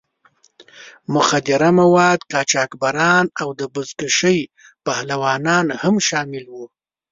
د مخدره موادو قاچاقبران او د بزکشۍ پهلوانان هم شامل وو.